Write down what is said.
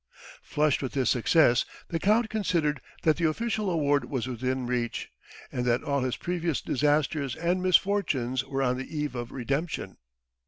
Flushed with this success, the Count considered that the official award was within reach, and that all his previous disasters and misfortunes were on the eve of redemption.